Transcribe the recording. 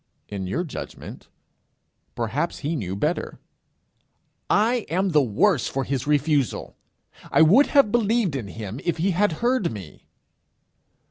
In your judgment. Perhaps he knew better. 'I am the worse for his refusal. I would have believed in him if he had heard me.'